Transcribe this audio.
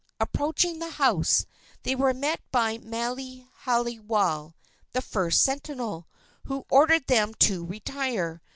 Approaching the house, they were met by Maile haiwale, the first sentinel, who ordered them to retire.